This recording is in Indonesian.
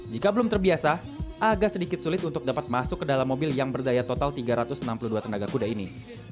jika belum terbiasa agak sedikit sulit untuk dapat masuk ke dalam mobil yang berdaya total tiga ratus enam puluh dua tenaga kuda ini